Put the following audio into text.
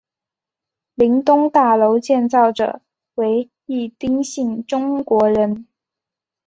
林东大楼建造者为一丁姓中国人。